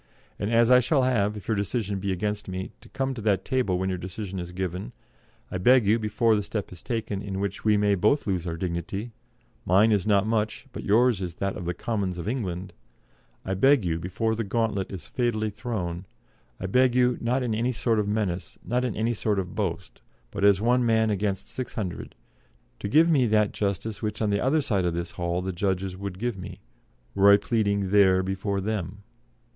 And as I shall have, if your decision be against me, to come to that table when your decision is given, I beg you, before the step is taken in which we may both lose our dignity mine is not much, but yours is that of the Commons of England I beg you, before the gauntlet is fatally thrown, I beg you, not in any sort of menace, not in any sort of boast, but as one man against six hundred, to give me that justice which on the other side of this hall the judges would give me, were I pleading there before them."